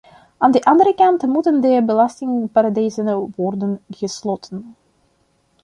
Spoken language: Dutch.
Aan de andere kant moeten de belastingparadijzen worden gesloten.